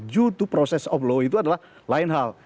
due to process of law itu adalah lain hal